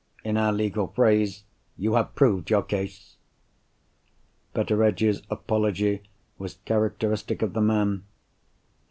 In our legal phrase, you have proved your case." Betteredge's apology was characteristic of the man.